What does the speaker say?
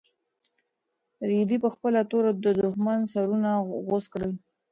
رېدي په خپله توره د دښمن سرونه غوڅ کړل.